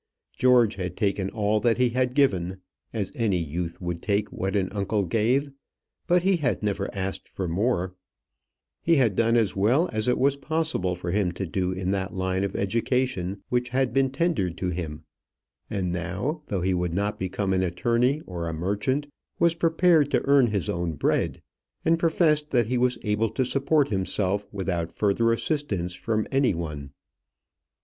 George had taken all that he had given, as any youth would take what an uncle gave; but he had never asked for more: he had done as well as it was possible for him to do in that line of education which had been tendered to him; and now, though he would not become an attorney or a merchant, was prepared to earn his own bread, and professed that he was able to support himself without further assistance from any one.